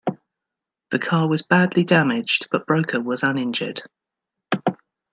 The car was badly damaged, but Broker was uninjured.